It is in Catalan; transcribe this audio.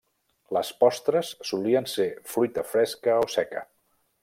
Les postres solien ser fruita fresca o seca.